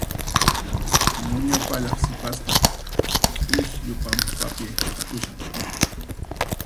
Muña pallaq sipasqa k'ikllu pampapi qhatushan.